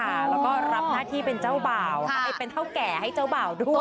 แล้วก็รับหน้าที่เป็นเจ้าบ่าวเป็นเท่าแก่ให้เจ้าบ่าวด้วย